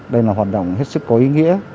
đây là hoạt động hết sức có ý nghĩa